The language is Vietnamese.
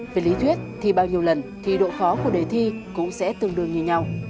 về lý thuyết thì bao nhiêu lần thì độ khó của đề thi cũng sẽ tương đương như nhau